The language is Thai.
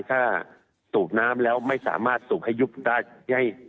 ถ้าสูบน้ำแล้วไม่สามารถสูบให้ยุบได้